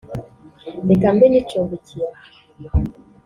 reka mbe nyicumbikiye aha